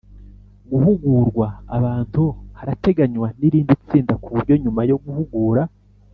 guhugurwa abantu harateganywa n’irindi tsinda ku buryo nyuma yo guhugura